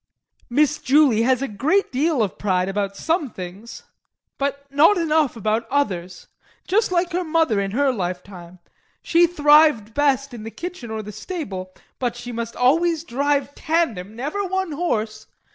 JEAN. Miss Julie has a great deal of pride about some things but not enough about others! Just like her mother in her lifetime; she thrived best in the kitchen or the stable, but she must always drive tandem never one horse!